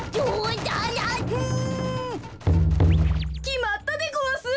きまったでごわす！